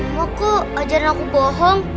mama kok ajarin aku bohong